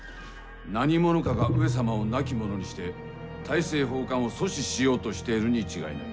何者かが上様を亡き者にして、大政奉還を阻止しようとしているに違いない。